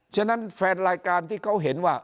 ฉะนั้นแฟนรายการที่เขาเห็นว่า